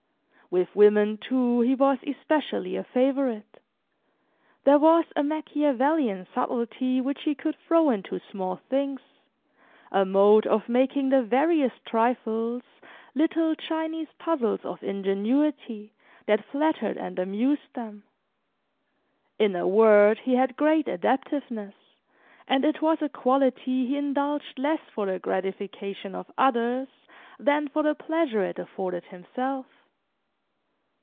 With women, too, he was especially a favorite; there was a Machiavelian subtlety which he could throw into small things, a mode of making the veriest trifles little Chinese puzzles of ingenuity, that flattered and amused them. In a word, he had great adaptiveness, and it was a quality he indulged less for the gratification of others than for the pleasure it afforded himself.